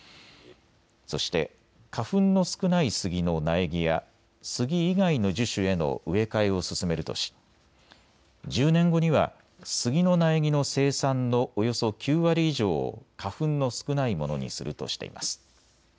そして花粉の少ないスギの苗木やスギ以外の樹種への植え替えを進めるとし１０年後にはスギの苗木の生産のおよそ９割以上を花粉の少ないものにするとしています。